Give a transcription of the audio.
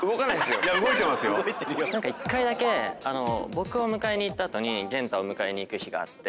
１回だけ僕を迎えに行った後に元太を迎えに行く日があって。